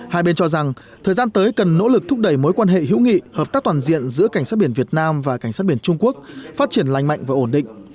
hai bên cho rằng thời gian tới cần nỗ lực thúc đẩy mối quan hệ hữu nghị hợp tác toàn diện giữa cảnh sát biển việt nam và cảnh sát biển trung quốc phát triển lành mạnh và ổn định